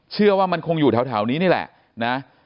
เชื่อว่ามันคงอยู่แถวนี้นี่แหละนะ